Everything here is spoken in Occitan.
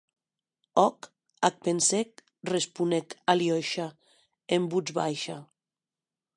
Òc, ac pensè, responec Aliosha en votz baisha.